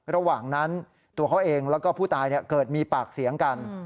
ระหว่างนั้นตัวเขาเองแล้วก็ผู้ตายเกิดมีปากเสียงกัน